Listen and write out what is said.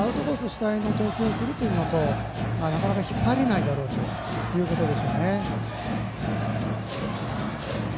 主体の投球をするというのとなかなか、引っ張れないだろうということでしょうね。